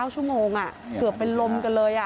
๙ชั่วโมงเกือบเป็นลมกันเลย